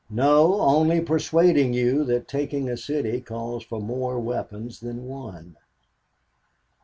"No, only persuading you that taking a city calls for more weapons than one."